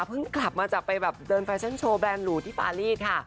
เพิ่งกลับมาจะไปเดินแฟชั่นโชว์แบรนด์หลูที่ฟารีสค่ะ